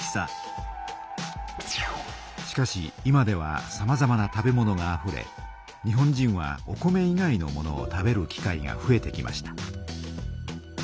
しかし今ではさまざまな食べ物があふれ日本人はお米以外の物を食べる機会がふえてきました。